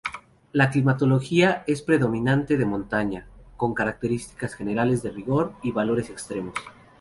La climatología es predominantemente de montaña, con características generales de rigor y valores extremos.